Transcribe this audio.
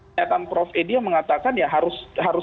pernyataan prof edi yang mengatakan ya harus